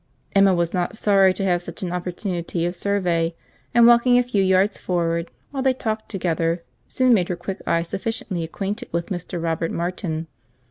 Emma was not sorry to have such an opportunity of survey; and walking a few yards forward, while they talked together, soon made her quick eye sufficiently acquainted with Mr. Robert Martin.